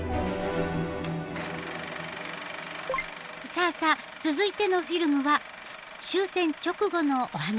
さあさあ続いてのフィルムは終戦直後のお話ですよ。